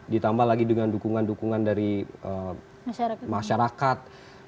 ditambah lagi dengan dukungan dukungan dari masyarakat